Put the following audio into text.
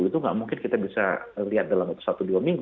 itu nggak mungkin kita bisa lihat dalam satu dua minggu